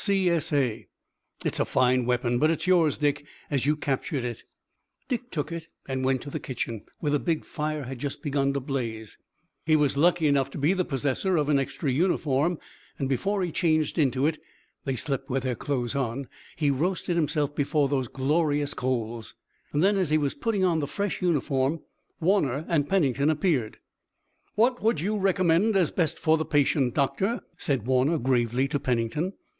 W., C.S.A.' It's a fine weapon, but it's yours, Dick, as you captured it." Dick took it and went to the kitchen, where the big fire had just begun to blaze. He was lucky enough to be the possessor of an extra uniform, and before he changed into it they slept with their clothes on he roasted himself before those glorious coals. Then, as he was putting on the fresh uniform, Warner and Pennington appeared. "What would you recommend as best for the patient, Doctor," said Warner gravely to Pennington.